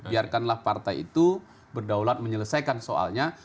biarkanlah partai itu berdaulat menyelesaikan soalnya